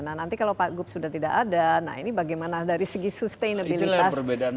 nah nanti kalau pak gup sudah tidak ada nah ini bagaimana dari segi sustainabilitas dari segala yang didakukan